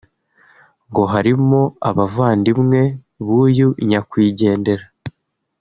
ngo harimo abavandimwe b’uyu nyakwigendera